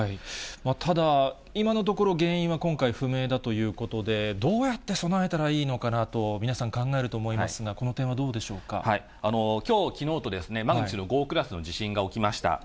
ただ、今のところ、原因は今回、不明だということで、どうやって備えたらいいのかなと、皆さん、考えると思いますが、きょう、きのうとマグニチュード５クラスの地震が起きました。